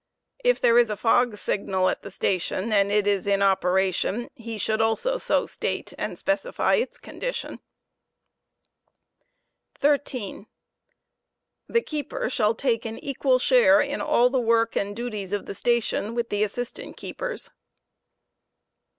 If there is a fog signal at the station, and it is in operation, he should also so state, and specify its condition, deeper to 13, The keeper shall take an. equal share in all the work and duties of the station share duty* * with the assistant keepers.